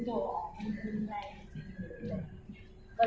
ต้องมองไปไกล